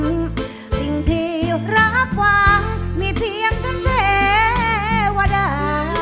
สิ่งที่รักหวังมีเพียงท่านเทวดา